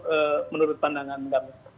itu menurut pandangan kami